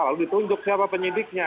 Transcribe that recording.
lalu ditunjuk siapa penyidiknya